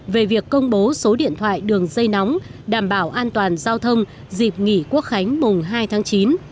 về việc công bố số điện thoại đường dây nóng đảm bảo an toàn giao thông dịp nghỉ quốc khánh mùng hai tháng chín